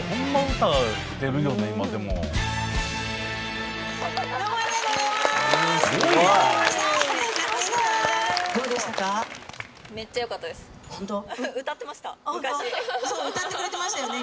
歌ってくれてましたよね